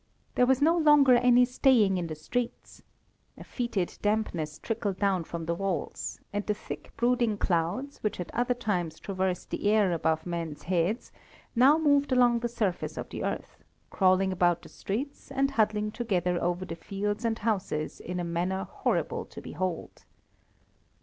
There was no longer any staying in the streets. A fetid dampness trickled down from the walls, and the thick brooding clouds, which at other times traverse the air above men's heads, now moved along the surface of the earth; crawling about the streets, and huddling together over the fields and houses in a manner horrible to behold.